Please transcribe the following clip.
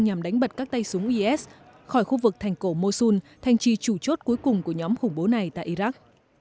nhằm đánh bật các tay súng is khỏi khu vực thành cổ mosun thành trì chủ chốt cuối cùng của nhóm khủng bố này tại iraq